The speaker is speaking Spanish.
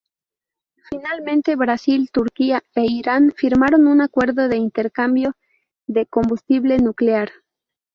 Finalmente, Brasil, Turquía e Irán firmaron un acuerdo de intercambio de combustible nuclear.